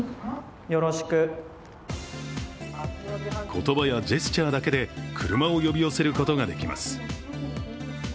言葉やジェスチャーだけで車を呼び寄せることができます。